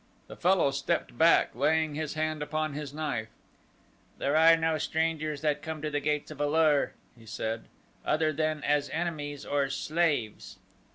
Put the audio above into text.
The fellow stepped back, laying his hand upon his knife. "There are no strangers that come to the gates of A lur," he said, "other than as enemies or slaves."